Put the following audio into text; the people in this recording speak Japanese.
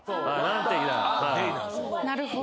なるほど。